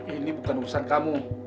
ini bukan urusan kamu